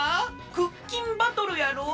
クッキンバトルやろ？